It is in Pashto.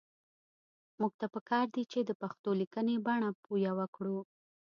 موږ ته پکار دي چې د پښتو لیکنۍ بڼه يوه کړو